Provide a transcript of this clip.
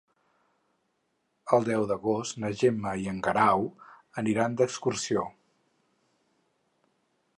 El deu d'agost na Gemma i en Guerau aniran d'excursió.